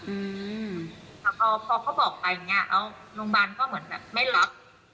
อืมพอเขาบอกไปเนี้ยเอ้าโรงบาลก็เหมือนแบบไม่รับ